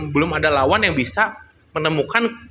belum ada lawan yang bisa menemukan